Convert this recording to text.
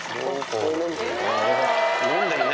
飲んでるね。